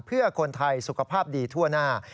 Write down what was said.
เพื่อคนไทยสุขภาพดีทั่วหน้า